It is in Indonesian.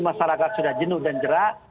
masyarakat sudah jenuh dan jerak